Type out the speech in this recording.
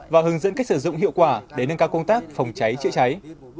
và hướng dẫn cách sử dụng hiệu quả để nâng cao công tác phòng cháy chữa cháy